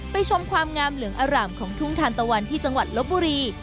ชมความงามเหลืองอร่ามของทุ่งทานตะวันที่จังหวัดลบบุรี